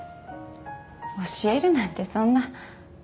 教えるなんてそんな。